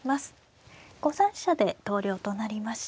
５三飛車で投了となりました。